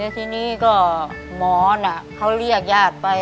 ทีนี้ก็หมอหลีกญาติไป